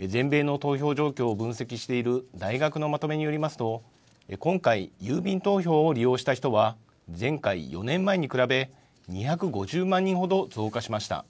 全米の投票状況を分析している大学のまとめによりますと、今回、郵便投票を利用した人は、前回・４年前に比べ、２５０万人ほど増加しました。